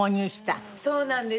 そうなんです。